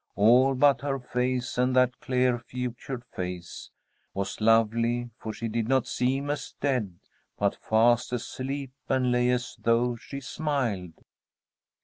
All but her face, and that clear featured face Was lovely, for she did not seem as dead, But fast asleep, and lay as though she smiled."